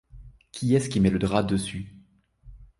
Qui est-ce qui met le drap dessus ?